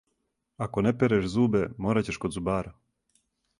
Ако не переш зубе, мораћеш код зубара.